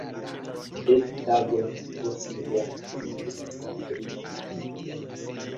Dek tagojn post lia naskiĝo patrino mortis.